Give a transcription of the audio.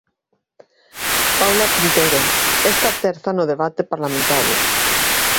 Paula Quintero, esta terza no debate parlamentario.